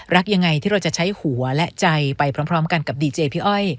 รักยังไงที่เราจะใช้หัวและใจไปพร้อมกันกับดีเจพี่อ้อย